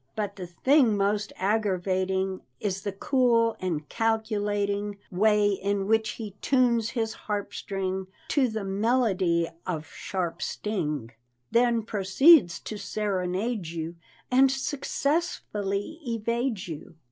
But the thing most aggravating Is the cool and calculating Way in which he tunes his harpstring To the melody of sharp sting; Then proceeds to serenade you, And successfully evade you.